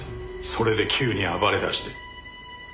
それで急に暴れ出して。